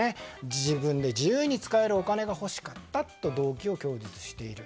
自分で自由に使えるお金が欲しかったと動機を供述している。